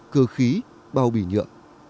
cơ khí bao bì nhựa